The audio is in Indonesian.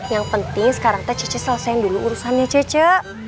yang penting sekarang cicek selesaikan dulu urusannya cek